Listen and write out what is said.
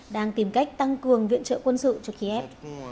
đang tìm cách tăng cường viện trợ quân sự cho kiev